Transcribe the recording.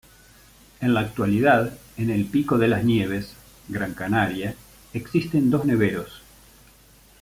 En la actualidad, en el Pico de las Nieves, Gran Canaria, existen dos neveros.